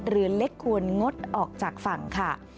เรือเล็กควรงดออกจากฝั่งค่ะ